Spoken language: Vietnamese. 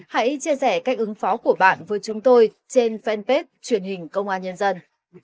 hãy chia sẻ cách ứng phó của bạn với chúng tôi trên fanpage truyền hình công an nhân dân